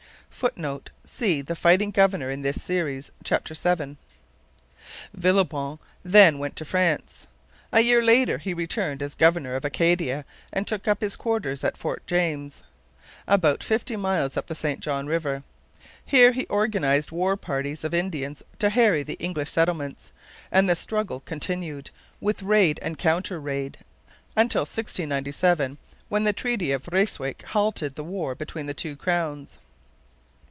[Footnote: See The Fighting Governor in this Series, chap. vii.] Villebon then went to France. A year later he returned as governor of Acadia and took up his quarters at Fort Jemseg, about fifty miles up the St John river. Here he organized war parties of Indians to harry the English settlements; and the struggle continued, with raid and counter raid, until 1697, when the Treaty of Ryswick halted the war between the two crowns.